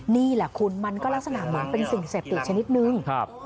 นี่แหละคุณมันก็ลักษณะเหมือนเป็นสิ่งเสร็จอีกชนิดหนึ่ง